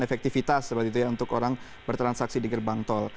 efektivitas seperti itu ya untuk orang bertransaksi di gerbang tol